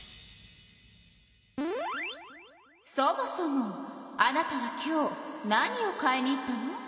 そもそもあなたは今日何を買いに行ったの？